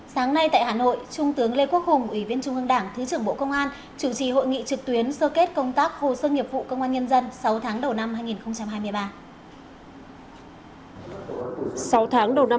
sáng nay tại hà nội trung tướng lê quốc hùng ủy viên trung ương đảng thứ trưởng bộ công an chủ trì hội nghị trực tuyến sơ kết công tác hồ sơ nghiệp vụ công an nhân dân sáu tháng đầu năm hai nghìn hai mươi ba